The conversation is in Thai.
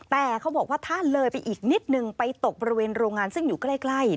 แต่เขาบอกว่าถ้าเลยไปอีกนิดนึงไปตกบริเวณโรงงานซึ่งอยู่ใกล้